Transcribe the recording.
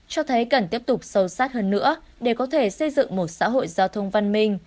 cho thấy cần tiếp tục sâu sát hơn nữa để có thể xây dựng một xã hội giao thông văn minh